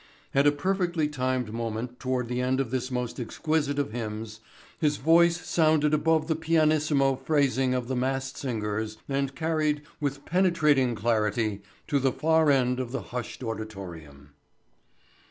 At a perfectly timed moment toward the end of this most exquisite of hymns his voice sounded above the pianissimo phrasing of the massed singers and carried, with penetrating clarity, to the far end of the hushed auditorium.